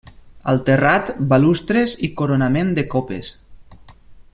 Al terrat, balustres i coronament de copes.